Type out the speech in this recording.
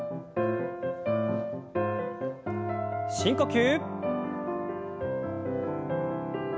深呼吸。